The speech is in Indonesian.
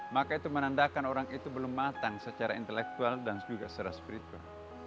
maka itu menandakan orang itu belum matang secara intelektual dan juga secara spiritual